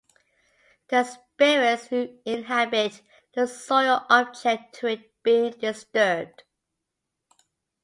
The spirits who inhabit the soil object to it being disturbed.